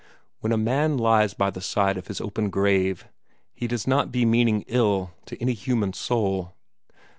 When a man lies by the site of his open grave, he does not be meaning ill to any human soul."